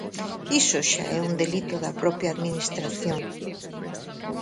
Iso xa é un delito da propia Administración.